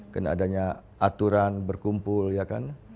karena adanya aturan berkumpul ya kan